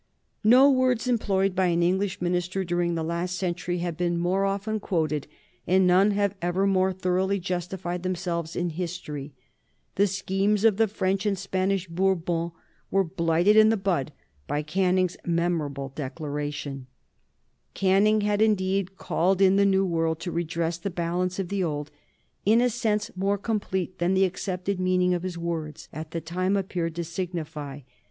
No words employed by an English minister during the last century have been more often quoted, and none have ever more thoroughly justified themselves in history. The schemes of the French and the Spanish Bourbons were blighted in the bud by Canning's memorable declaration. [Sidenote: 1822 27 The Monroe Doctrine] Canning had indeed called in the New World to redress the balance of the Old in a sense more complete than the accepted meaning of his words, at the time, appeared to signify.